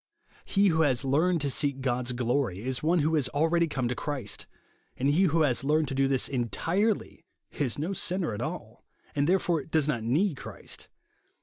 lie who has learned to seek God's glory is one who has already come to Clirist ; and he who has learned to do this entirely, is no sinner at all ; and, therefore, does not need Christ.